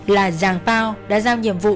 là giàng pao đã giao nhiệm vụ